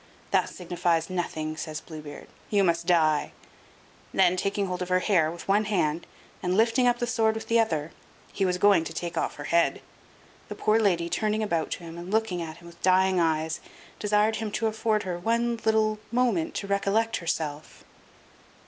"This signifies nothing," says Blue Beard; "you must die"; then, taking hold of her hair with one hand, and lifting up the sword with the other, he was going to take off her head. The poor lady, turning about to him, and looking at him with dying eyes, desired him to afford her one little moment to recollect herself.